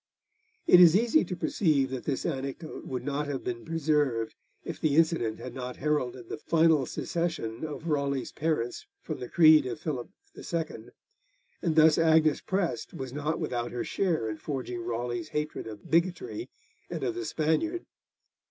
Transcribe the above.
"' It is easy to perceive that this anecdote would not have been preserved if the incident had not heralded the final secession of Raleigh's parents from the creed of Philip II., and thus Agnes Prest was not without her share in forging Raleigh's hatred of bigotry and of the Spaniard.